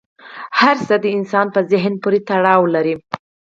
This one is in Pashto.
هر څه د انسان په ذهن پورې تړاو لري.